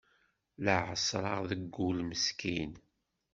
La εeṣreɣ de ul meskin.